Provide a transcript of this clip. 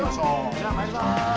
じゃあ参ります。